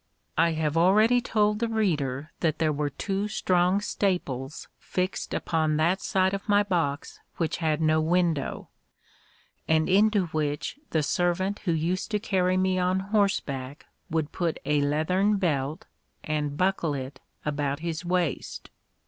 I have already told the reader that there were two strong staples fixed upon that side of my box which had no window; and into which the servant who used to carry me on horseback would put a leathern belt, and buckle it about his waist.